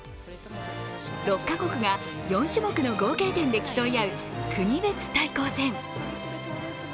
６か国が４種目の合計点で競い合う国別対抗戦。